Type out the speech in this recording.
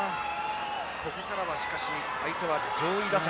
ここからはしかし、相手は上位打線。